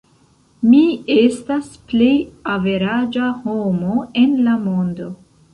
Mi estas plej averaĝa homo en la mondo.